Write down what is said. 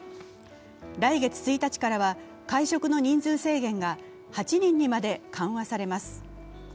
来月１日からは会食の人数制限が８人にまで緩和されます。